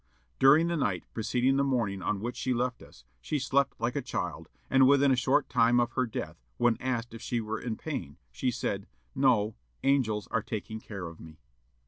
During the night preceding the morning on which she left us, she slept like a child; and within a short time of her death, when asked if she were in pain, she said, 'No; angels are taking care of me.'"